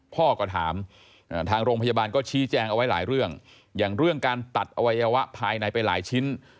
พ่อก็ถามทางโรงพยาบาลก็ชี้แจงเอาไว้หลายเรื่องอย่างเรื่องการตัดอวัยวะภายในไปหลายชิ้น